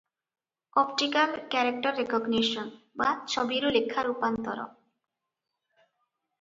"Optical character recognition" ବା ଛବିରୁ ଲେଖା ରୂପାନ୍ତର ।